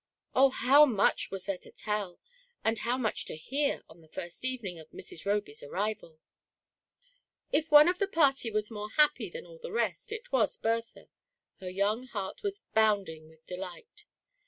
Oh, how much was there to tell, and how much to hear on the first evening of Mrs. Roby's arrival ! If one of the party was more happy than all the rest, it was Bertha: her young heart was bounding with de light